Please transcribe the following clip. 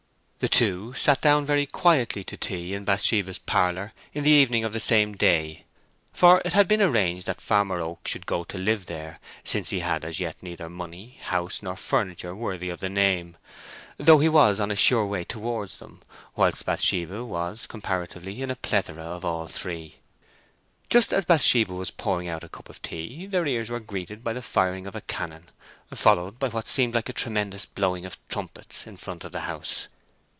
The two sat down very quietly to tea in Bathsheba's parlour in the evening of the same day, for it had been arranged that Farmer Oak should go there to live, since he had as yet neither money, house, nor furniture worthy of the name, though he was on a sure way towards them, whilst Bathsheba was, comparatively, in a plethora of all three. Just as Bathsheba was pouring out a cup of tea, their ears were greeted by the firing of a cannon, followed by what seemed like a tremendous blowing of trumpets, in the front of the house.